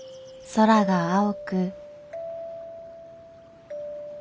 空が青く。